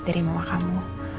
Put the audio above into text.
dari mama kamu